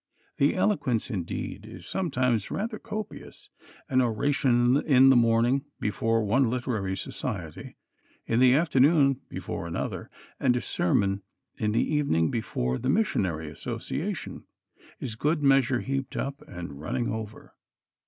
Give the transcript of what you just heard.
The eloquence, indeed, is sometimes rather copious. An oration in the morning before one literary society; in the afternoon before another; and a sermon in the evening before the Missionary Association, is good measure heaped up and running over.